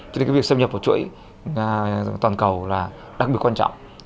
cho nên cái việc xâm nhập vào chuỗi toàn cầu là đặc biệt quan trọng